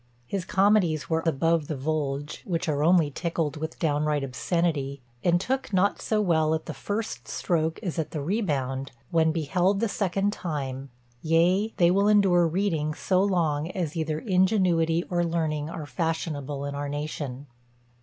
His comedies were above the Volge (which are only tickled with downright obscenity), and took not so well at the first stroke as at the rebound, when beheld the second time; yea, they will endure reading so long as either ingenuity or learning are fashionable in our nation.